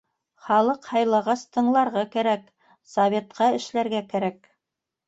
— Халыҡ һайлағас — тыңларға кәрәк, советҡа эшләргә кәрәк.